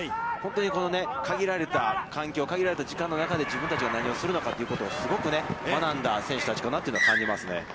本当に限られた環境、限られた時間の中で何をするのかをすごく学んだ選手たちかなというのは、感じますね。